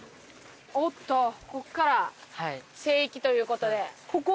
おっとここから聖域という事で。